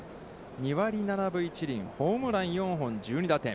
２割７分１厘、ホームラン４本、１２打点。